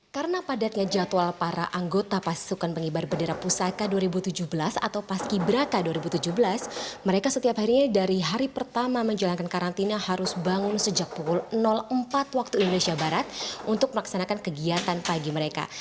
karena padatnya jadwal para anggota paski braka dua ribu tujuh belas mereka setiap hari dari hari pertama menjalankan karantina harus bangun sejak pukul empat waktu indonesia barat untuk melaksanakan kegiatan pagi mereka